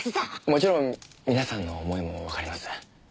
もちろん皆さんの思いもわかります。